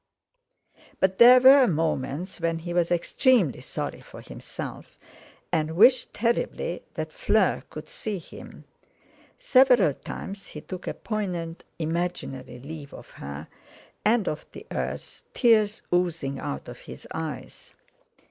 But there were moments when he was extremely sorry for himself, and wished terribly that Fleur could see him. Several times he took a poignant imaginary leave of her and of the earth, tears oozing out of his eyes.